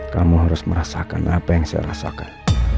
kamu harus merasakan apa yang saya rasakan